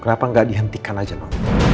kenapa nggak dihentikan aja no